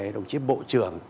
đồng chí bộ trưởng